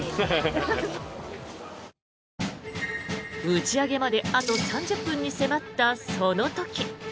打ち上げまであと３０分に迫ったその時。